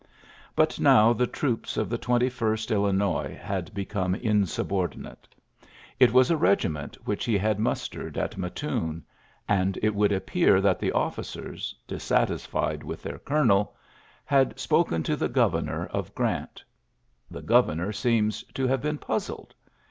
But now the troops of the Twenty first Illi nois had become insubordinate. It was tAKJioxy v;oL& 38 XJLYSSBS S. GRANT a regiment which he had mnsterecl. aif Mattoon ^ and it would appear that the officers^ dissatisfied with their coloneli had spoken to the governor of Grant. The governor seems to have been puz zled.